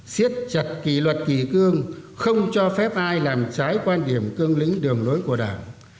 xiết chặt kỳ luật kỳ cương không cho phép ai làm trái quan điểm cương lĩnh đường lối của đảng